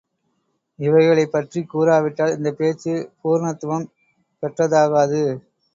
இவைகளைப் பற்றிக் கூறாவிட்டால் இந்தப் பேச்சு பூரணத்வம் பெற்றதாகாது.